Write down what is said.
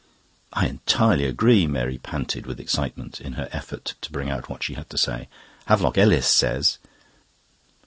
"I entirely agree." Mary panted with excitement in her effort to bring out what she had to say. "Havelock Ellis says..."